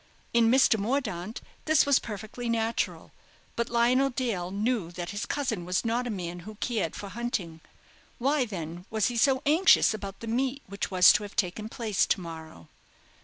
In Mr. Mordaunt this was perfectly natural; but Lionel Dale knew that his cousin was not a man who cared for hunting. Why, then, was he so anxious about the meet which was to have taken place to morrow?